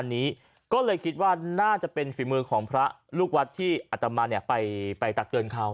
อันนี้ก็เลยคิดว่าน่าจะเป็นฝีมือของพระลูกวัดที่อัตมาเนี่ยไปตักเตือนเขา